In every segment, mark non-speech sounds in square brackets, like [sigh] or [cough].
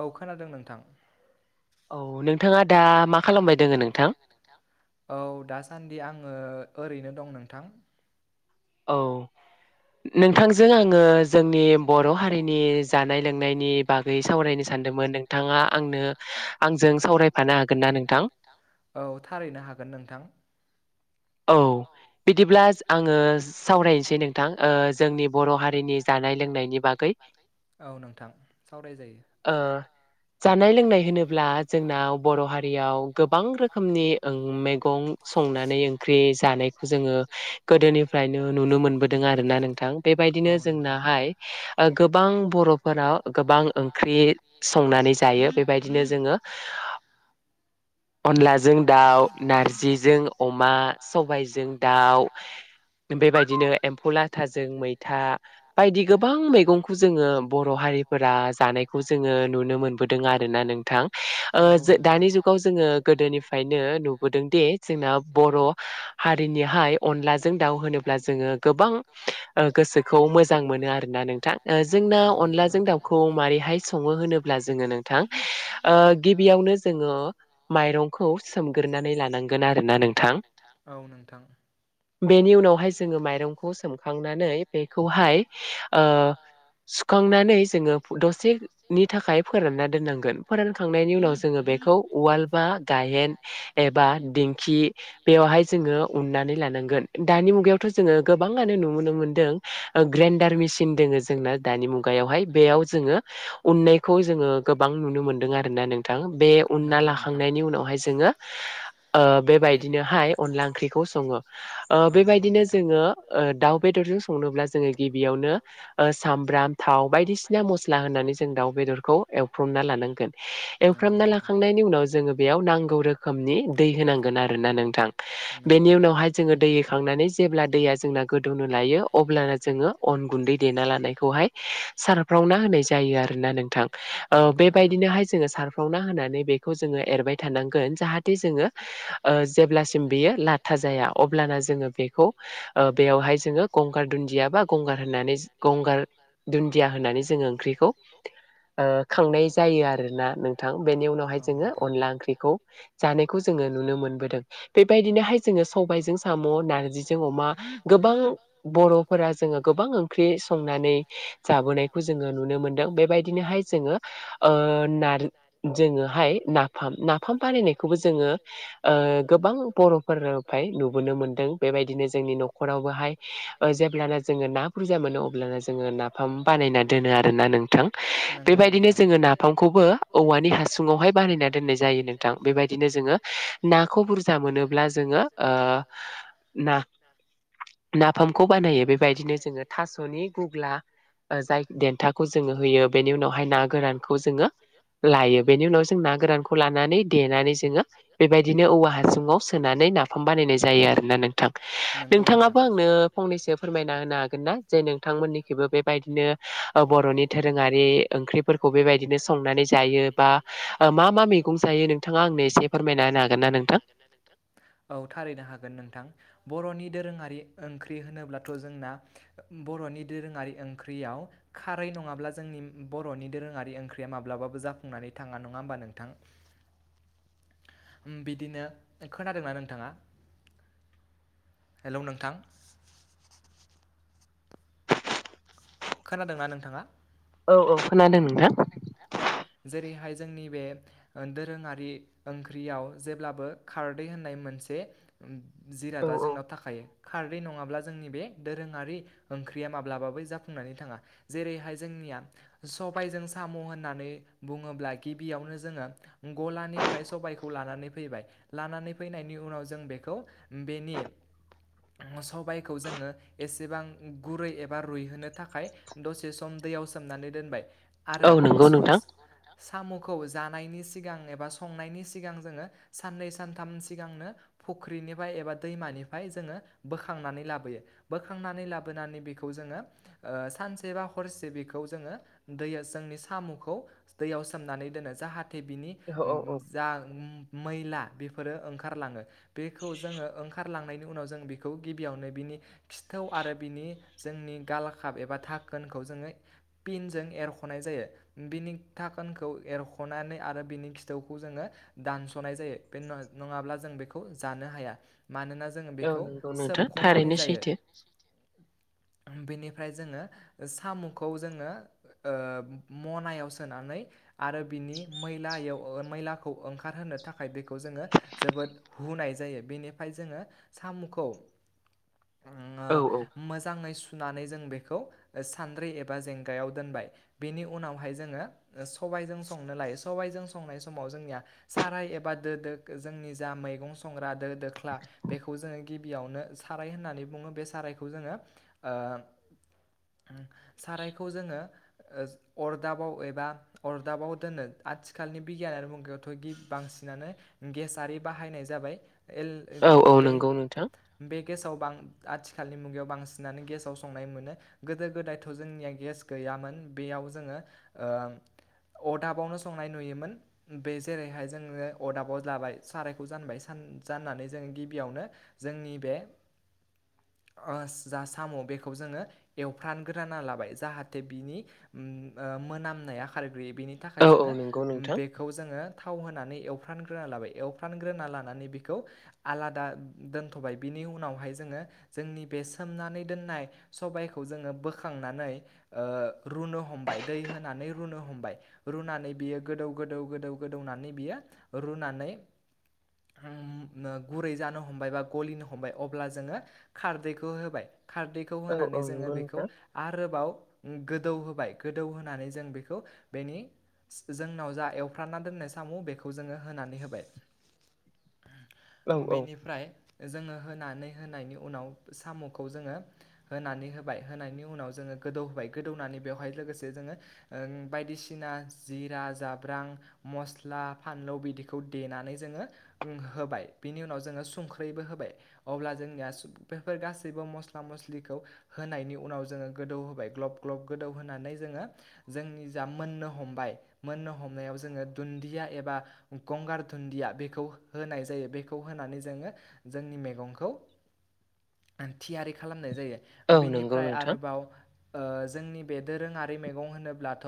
औ खोनादों नोंथां औ नोंथाङा नोंथाङा दा मा खालामबाय दों नोंथां औ दासान्दि आङो ओरैनो दं नोंथां औ नोंथांजों आङो जोंनि बर' हारिनि जानाय लोंनायनि बागै सावरायनो सानदोंमोन, नोंथाङा आंनो आंजों सावरायफानो हागोन ना नोंथां? औ थारैनो हागोन नोंथां औ बिदिब्ला जो आङो ओ सावरायनोसै नोंथां ओ जोंनि बर' हारिनि जानाय लोंनायनि बागै औ नोंथां सावराय जायो ओ जानाय लोंनाय होनोब्ला जोंनाव बर' हारियाव गोबां रोखोमनि ओं मेगं संनानै ओंख्रि जानायखौ जोङो गोदोनि फ्रायनो नुनो मोनबोदों आरोना नोंथां बेबायदिनो जोंनाहाय गोबां बर'फोरा ओ गोबां ओंख्रि संनानै जायो बेबायदिनो जोङो अनलाजों दाउ नारजिजों अमा सबायजों दाउ। बेबायदिनो एम्फौ लाथाजों मैथा बायदि गोबां मैगंखौ जोङो बर' हारि बेफोरा जानायखौ जोङो नुनो मोनबोदों आरोना नोंथां ओ दानि जुगाव जोङो गोदोनिफ्रायनो नुबोदों दि जोंना बर' हारिनिहाय अनलाजों दाउ होनोब्ला जोङो गोबां ओ गोसोखौ मोजां मोनो आरोना नोंथां जोंना अला दाउ अनाजों दाउखौ मारैय सङो होनोब्ला जोङो नोंथां गिबियावनो जोङो माइरंखौ सोमगोरोनानै लानांगोन आरोना नोंथां बेनि उनावहाय जोङो माइरंखौ सोमखांनानै बेखौहाय ओ। सुखांनानै जोङो दसेनि थाखाय फोरानना दोननांगोन फोरानखांनायनि उनाव जोङो बे खौ उवाल बा गायेन एबा दिंखि बेयावहाय जोङो उननानै लानांगौ दानि मुगायावथ' जोङो गोबाङानो नुुनो मोनदों ग्रेन्डार मेसिन दङ जोंना दानि मुगायाव बेवहाय बेयाव जोङो उननायखौ जोङो गोबां नुनो मोनदों आरोना नोंथां बे उनना लाखांनायनि उनावहाय जोङो ओ बेबायदिनोहाय अनला ओंख्रिखौ सङो ओ बेबायदिनो जोङो ओ दाउ बेदरजों संनोब्ला जोङो गिबियावनो ओ सामब्राम थाव बायदिसिना मस्ला होननानै जों दाउ बेदरखौ एवफ्रमना लानांगोन एवफ्रामना लाखांनायनि उम - उनाव जोङो बेयाव नांगौ रोखोमनि दै होनांगोन आरोना नोंथां बेनि उनावहाय जोङो दै सुखांनानै जेब्ला दैया जोंना गोदौनो लायो अब्लाना जोङो अन गुन्दै देना लानायखौहाय सारफ्रावना होनाय जायो आरोना नोंथां ओ बेबायदिनोहाय जोङो सारफ्रावना होनानै बेखौ जों जों एरबाय थानांगोन जाहाथे जोङो ओ जेब्लासिम बियो लाथा जाया जोङो बेखौ बेयावहाय जोङो गंगार दुन्दिया बा गंगार होननानै [unintelligible] गंगार [unintelligible] दुन्दिया होनानै जोङो ओंख्रिखौ ओ खांनाय जायो आरोना नोंथां बेनि उनावहाय जोङो अनला ओंख्रिखौ जानायखौ जोङो नुनो मोनदों बेबायदिनोहाय जोङो साम' नारजिजों अमा गोबां बर'फोरा जोङो गोबां ओंख्रि संनानै जाबोनायखौ जोङो नुनो मोनदों बेबायदिनोहाय जोङो ओ नार जोङोहाय हाय नाफाम बानायखौबो जोंङो ओ गोबां बर'फोर नुबोनो मोनदों बेबायदिनो जोंनि न'खरावबोहाय जेब्लानो जोङो ना बुरजा मोनो अब्लानो जोङो नाफाम बानायना दोनो आरोना नोंथां बेबायदिनो जोङो नाफामखौबो औवानि हासुं नवावहाय बानायना दोननाय जायो नोंथां बेबायदिनो जोङो नाखौ बुरजा मोनोब्ला जों जोङो ओ ना नाफामखौ बानायो बेबायदिनो जोङो थास'नि गुग्ला जाय देन्थाखौ जों होयो बेनि उनावहाय ना गोरानखौ जोङो लायो बेनि उनाव जों ना गोरानखौ लानानै देनानै देनानै बेबायदिनो औवा हासुंआव सोनानै नाफाम जायो आरोना नोंथां नोंथाङाबो आंनो फंनैसो फोरमायना होनो हागोन ना जे नोंथांमोननिखिबो बेबायदिनो बर'नि दोरोङारि ओंख्रिफोरखौ बेबायदिनो संनानै जायो बा मा मा मैगं जायो नोंथाङा आंनो एसे फोरमायना होनो हागोन ना नोंथां औ थारैनो हागोन नोंथां बर'नि दोरोङारि ओंख्रि होनोब्लाथ' जोंना बर'नि नि दोरोङारि ओंख्रिआव खारै नङाब्ला जोंनि बर'नि दोरोङारि ओंख्रिआ माब्लाबाबो जाफुङा। नानै थाङा नङा होनबा नोंथां। बिदिनो खोनादोंना नोंथाङा? हेलौ नोंथां। खोनादोंना नोंथाङा औ औ खोनादों जेरैहाय जोंनि बे दोरोङारि ओंख्रियाव जेब्लाबो खारदै होननाय मोनसे जिरादा जोंनाव थाखायो। खारदै नङाब्ला जोंनि बे दोरोङारि ओंख्रिया माब्लाबाबो जाफुंनानै थाङा जेरैहाय जोंनि आ सबायजों सा साम' होननानै बुङोब्ला गिबियावनो जोङो गलानिफ्राय सबायखौ लानानै फैबाय लानानै फैनायनि उनाव जों बेखौ बेनि सबायखौ जोङो एसेबां गुरै एबा रुइहोनो थाखाय दसे सम दैयाव सोमनानै दोनबाय आरो [unintelligible] साम' खौ जानायनि सिगां एबा संनायनि सिगां जोङो साननै सानथाम सिगांनो फुख्रि निफ्राय एबा दैमानिफ्राय जोङो बोखांनानै लाबोयो बोखांनानै लाबोनानै बेखौ जोङो ओ सानसे बा हरसे बेखौ जोङो दैअ जोंनि साम'खौ दैयाव सोमनानै दोनो जाहाथे बिनि जा मैला बेफोरो ओंखारलाङो बेखौ जोङो ओंखारलांनायनि उनाव जों बेखौ गिबियावनो बिनि खिथौ आरो बिनि जोंनि गालाकाप एबा थाखोनखौ जोङो पिनजों एरख' नाय जायो बिनि थाखोनखौ एरख'नानै आरो बिनि खिथौखौ जोङो दानस'नाय जायो [unintelligible] नङाब्ला जों बेखौ जानो हाया। मानोना जोङो बेखौ सोबख'नानै जायो [unintelligible] बेनि बेनिफ्राइ जोङो साम'खौ जोङो ओ मनायाव सोनानै आरो बिनि मैलायाव मैलाखौ ओंखारहोनो थाखाय बेखौ जोङो जोबोद हुनाय जायो बेनिफ्राय जोङो साम'खौ ओम मोजाङै सुनानै जों बेखौ सानद्रै एबा जेंगायाव दोनबाय। बेनि उनावहाय जोङो सबायजों संनो लायो सबायजों संनाय समाव जोंनिया साराय एब बा दो दोग जोंनि जा मैगं संग्रा दो दोख्ला बेखौ जोङो गिबियावनो साराय होननानै बुङो बे सारायखौ जोङो ओ [inaudible] सारायखौ जोङो अरदाबाव एबा अरदाबाव दोनो आथिखालनि बिगियानारि मुगायावथ' गि बांसिन नानो गेसारि बाहायनाय जाबाय। [unintelligible] बे गेसाव बां आथिखालनि मुगायाव बांसिन सिनानै गेस आाव संनाय मोनो गोदो गोदायथ' जोंनिया गेस गैयामोन बेयाव जोङो ओ अरदाबावनो संनाय नुयोमोन बे जेरैहाय जोङो अरदाबाव लाबाय सारायखौ जानबाय सार जानानै जों गिबियावनो जोंनि बे जा साम' बेखौ जोङो एवफ्रानगोराना लाबाय जाहाथे बिनि ओ मोनामनाया खारग्रोयो बेनि थाखाय जोङो बेखौ जोङो थाव होनानै एव एवफ्रानग्रोना लाबाय एवफ्रानग्रोना लानानै बेखौ आलादा दोनथ'बाय बिनि उनावहाय जोङो जोंनि बे सोमनानै दोननाय सबायखौ जोङो बोखांनानै ओ रुनो हमबाय दै होनानै रुनो हमबाय रुनानै बियो गोदौ गोदौ गोदौ गोदौनानै बियो रुनानै होम गुरै जानो हमबाय बा गलिनो हमबाय अब्ला जोङो खारदैखौ होबाय खारदैखौ होनानै जोङो बेखौ आरोबाव गोदौ होबाय गोदौ होनानै जों बेखौ बेनि जोंनाव जा एवफ्रानना दोननाय साम' बेखौ जोङो होनानै होबाय [inaudible] बिनिफ्राय जोङो होनानै होनायनि उनाव साम'खौ जोङो होनानै होबाय होनायनि उनाव जोङो गोदौ होबाय गोदौनानै बेवहाय लोगोसे बायदिसिना जिरा जाब्रां मस्ला फानलौ बिदिखौ देनानै जोङो होबाय बिनि उनाव जोङो संख्रैबो होबाय अब्ला जोंनिया बेफोर गासैबो मस्ला मस्लिखौ होनायनि उनाव जोङो गोदौ होबाय ग्लब ग्लब गोदौ होनानै जोंयो जोंनि जा मोननो हमबाय मोननो हमनायाव जोङो दुन्दिया एबा गं गंगार दुदिया बेखौ होनाय जायो बेखौ होनानै जोङो जोंनि मेगंखौ [unintelligible] थियारि खालामनाय जायो बेनिफ्राय आरोबाव ओ जोंनि बे दोरोङा मैगं होनोब्लाथ'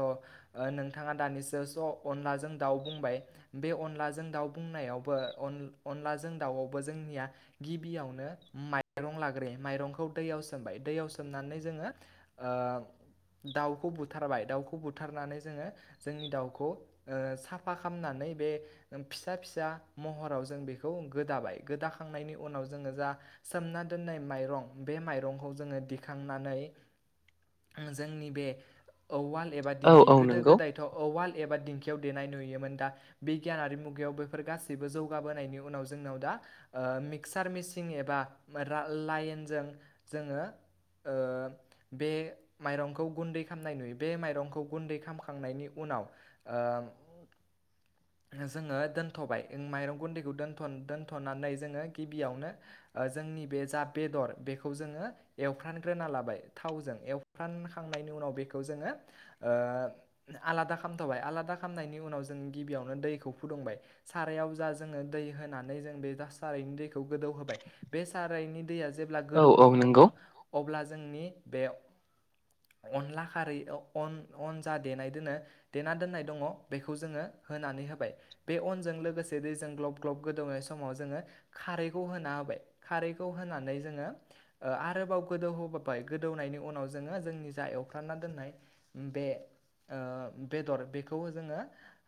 नोंथाङा दानिसो अनलाजों दाव बुंबाय बे अनला अनलाजों दाउ बुंनायावबो अनलाजों दाउआवबो जोंनिया गिबियावनो माइ रं लाग्रोयो माइरंखौ दैयाव सोमबाय दैयाव सोमनानै जोङो ओ दाव खौ बुथारबाय दाउखौ बुथारनानै जोङो जोंनि दाउखौ ओ साफा खालामनानै बे फिसा फिसा महराव जों बेखौ गोदाबाय गोदाखांनायनि उनाव जोङो जा सोमना दोननाय माइरं बे माइरंखौ जोङो दिखांनानै जोंनि बे औवाल एबा दिंखि गोदो गोदायथ' औवाल एबा दिंखि देनाय नुयोमोन दा बिगियानारि मुगायाव बेफोर गासिबो जौगाबोनायनि उनाव जोंनाव दा ओ ओ मिक्सार मिसिन एबा [unintelligible] लाइनजों जोङो ओ बे माइरंखौ गुन्दै खामनाय नुयो बे माइरंखौ गुन्दै खामखांनायनि उनाव ओ जोङो दोन्थ'बाय माइरं गुन्दैखौ दोन्थ-दोनथ'नानै जोङो गिबियावनो ओ जों नि बे जा बेदर बेखौ जोङो एवफ्रानग्रोना लाबाय थावजों एवफ्रानखांनायनि उनाव बे खौ जोङो ओ आलादा खालामथबाय आलादा खालामनायनि उनाव जों गिबियावनो दै [unintelligible] [unintelligible] सारायाव जा जोङो दै होनानै जों बे दा सारायनि दैखौ गोदौ होबाय बे सारायनि दैया जेब्ला गोदौनो हमो अब्ला जोंनि बे अनला खारै अन अन जा देनाय दोनो देना दोननाय दङ बेखौ जोङो होनानै होबाय। बे अनजों लोगोसे दैजों ग्लब ग्लब गोदौनाय समाव जोङो खारैखौ होना होबाय खारैखौ होनानै जोङो ओ आरोबाव गोदौहोबावबाय गोदौनायनि उनाव जोङो जोंनि जा एव एवफ्रामना दोननाय बे ओ बेदर बेखौ जोङो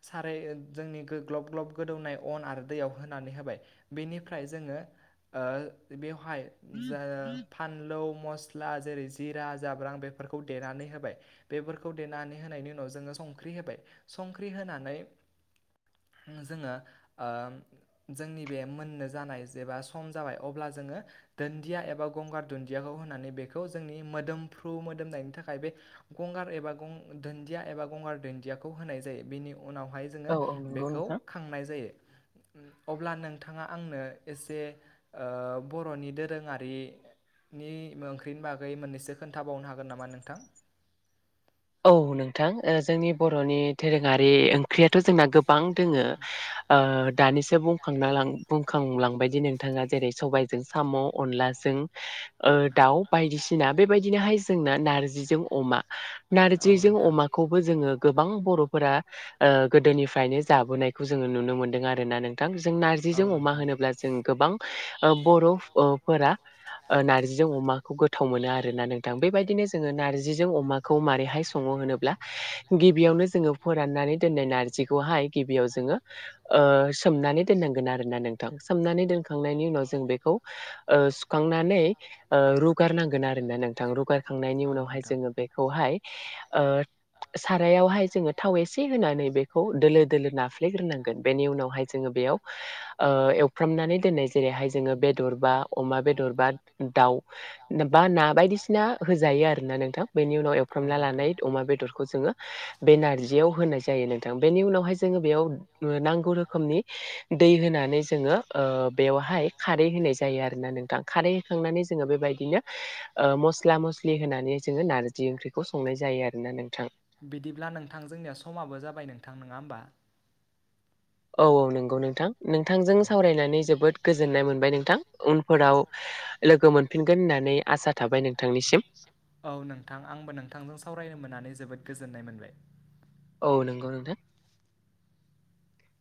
साराय जोंनि ग्लब ग्लब गोदौनाय अन आरो दैयाव होनानै होबाय बेनिफ्राय जोङो ओ [unintelligible] फानलौ मस्ला जेरै जिरा जाब्रां बेफोरखौ देनानै होबाय बेफोरखौ देनानै होनायनि उनाव जोङो संख्रि होबाय संख्रि होनानै [inaudible] जोङो ओ जोंनि बे मोननो जानाय जेबा सम जाबाय अब्ला जोङो दुन्दिया एबा गंगार दुन्दियाखौ होनानै बेखौ जोंनि मोदोमफ्रु मोदोमनायनि थाखाय थाखाय बे गंगार एबा दुन्दिया एबा गंगार दुन्दियाखौ होनाय जायो बेनि उनावहाय जोङो बेखौ खांनाय जायो। अब्ला नोंथाङा आंनो एसे ओ बर'नि दोरोङारि नि ओंख्रिनि बागै मोननैसो खोन्थाबावनो हागोन नामा नोंथां। औ नोंथां ओ जोंनि बर'नि दोरोङारि ओंख्रियाथ' जोंना गोब बां दोङो ओ दानिसो बुंखांना [unintelligible] खांलांबायदि नोंथाङा जेरै सबायजों साम' अनलाजों ओ दाउ बायदिसिना बेबायदिनोहाय जोंना नारजिजों अमा नारजिजों अमाखौबो जोङो गोबां बर'फोरा ओ गोदोनिफ्रायनो जाबोनायखौ जोङो नुनो मोनदों आरोना नोंथां जों नारजिजों अमा होनोब्ला जों गोबां ओ अ बर'फोरा ओ नारजिजों अमाखौ गोथाव मोनो आरो ना नोंथां बेबायदिनो जोङो नारजिजों अमाखौ मारैहाय सङो होनोब्ला गिबियावनो जोङो फोराननानै दोननाय नारजिखौहाय गिबियाव जोङो ओ सोमनानै दोननांगोन आरोना नोंथां सोमनानै दोनखांनायनि उनाव जों बेखौ ओ सुखांनानै ओ रुगारनांगोन आरोना नोंथां रुगारखांनायनि उनावहाय जोङो बे खौहाय ओ सारायावहाय जोङो थाव एसे होनानै बेखौ दोलो दोलो नाफ्लेग्रोनांगोन बेनि उनावहाय जोङो बेयाव ओ एफ्रामनानै दोनाय जेरैहाय जोङो बेदरबा अमा बेदरबा दाउ बा ना बायदिसिना होजायो आरोना नोंथां बेनि एवफ्रामना लानाय अमा बेदरखौ जोङो बे नारजियाव होनाय जायो नोंथां बेनि उनावहाय जोङो बेयाव नांगौ रोखोमनि दै होनानै जोङो ओ बेयावहाय खारै होनाय जायो। आरोना नोंथां खारै होखांनानै जोङो बेबायदिनो ओ मसला मसलि होननानै जोङो नारजि बिदिब्ला नोंथां जोंनिया समाबो जाबाय नोंथां नङा होमबा। औ औ नंगौ नोंथां नोंथांजों सावरायनानै जोबोद गोजोननाय मोनबाय नोंथां उनफोराव औ नोंथां आंबो नोंथांजों सावराय मोननानै जोबोद गोजोन्नाय मोनबाय। औ नंगौ नोंथां।